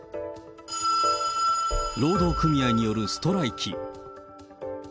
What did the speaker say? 労働組合によるストライキ。